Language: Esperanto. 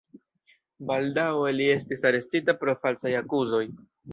Baldaŭe li estis arestita pro falsaj akuzoj.